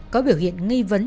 có biểu hiện nghi vấn